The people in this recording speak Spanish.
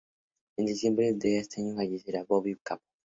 En diciembre de ese año fallecería Bobby Capó.